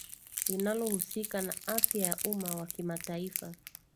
linalohusika na afya ya umma wa kimataifa